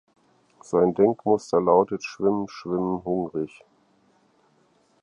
Sein Denkmuster lautet: "„Schwimmen, schwimmen, hungrig.